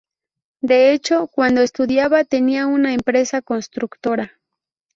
De hecho, cuando estudiaba tenía una empresa constructora.